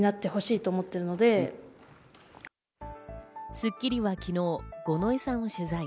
『スッキリ』は昨日、五ノ井さんを取材。